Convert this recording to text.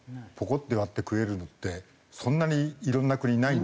ッて割って食えるのってそんなにいろんな国ないんでしょ？